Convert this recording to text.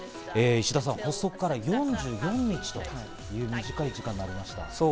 石田さん、発足から４４日、短い期間となりました。